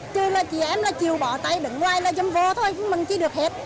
chứ là chị em là chịu bỏ tay đứng ngoài là dâm vơ thôi mình chỉ được hết